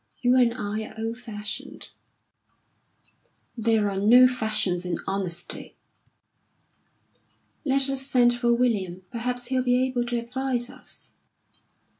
You and I are old fashioned." "There are no fashions in honesty." "Let us send for William. Perhaps he'll be able to advise us."